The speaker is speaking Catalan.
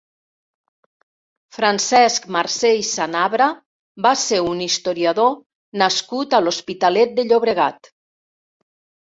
Francesc Marcé i Sanabra va ser un historiador nascut a l'Hospitalet de Llobregat.